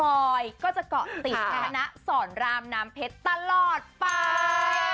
เร็ว๒พลอยก็จะเกาะติดแฮนนะสรรพ็อตไป